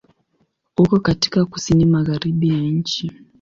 Uko katika Kusini Magharibi ya nchi.